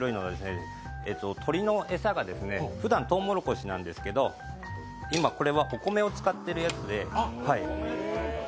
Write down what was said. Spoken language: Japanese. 鶏の餌がふだん、とうもろこしなんですけど、今これはお米を使っているやつで。